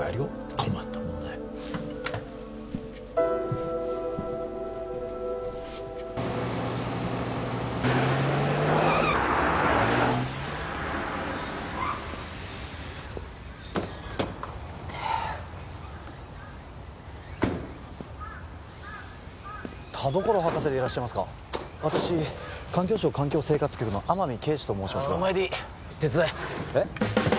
困ったもんだよ田所博士でいらっしゃいますか私環境省・環境生活局の天海啓示と申しますがお前でいい手伝ええっ？